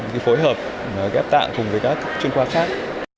thì phối hợp ghép tạng cùng với các truyền quả khác